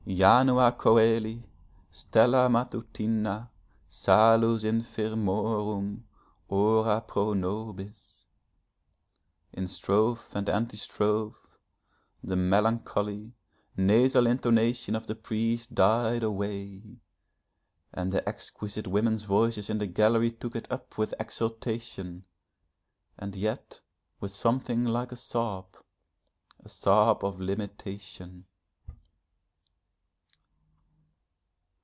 'Janua cœli, Stella matutina, Salus infirmorum, Ora pro nobis!' In strophe and antistrophe: the melancholy, nasal intonation of the priest died away, and the exquisite women's voices in the gallery took it up with exultation, and yet with something like a sob a sob of limitation.